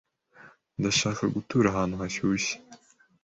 Ndashaka gutura ahantu hashyushye.